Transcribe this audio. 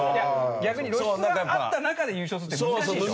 逆に露出があった中で優勝するって難しいですよ。